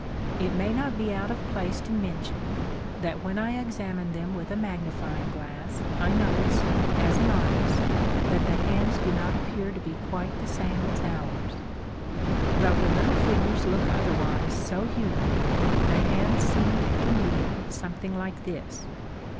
It may not be out of place to mention that when I ex amined them with a magnifying glass I noticed, as an artist, that the hands do not appear to be quite the same as ours. Though the little figures look otherwise so human, the hands seemed to me something like this.